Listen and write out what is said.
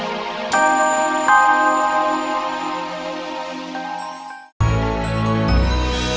sampai jumpa lagi